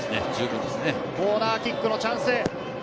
コーナーキックのチャンス。